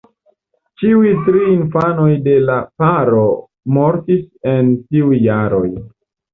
Ĉiuj tri infanoj de la paro mortis en tiuj jaroj.